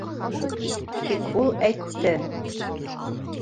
Тик ул әйтте: